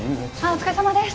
お疲れさまです